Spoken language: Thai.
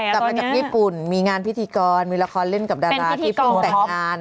กลับมาจากญี่ปุ่นมีงานพิธีกรมีละครเล่นกับดาราที่เพิ่งแต่งงาน